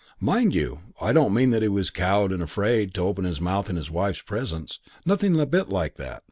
"Mind you, I don't mean that he was cowed and afraid to open his mouth in his wife's presence. Nothing a bit like that.